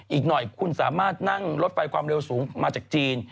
อีกหน่อยคุณสามารถนั่งรถไฟความเร็วสูงมาจากจีน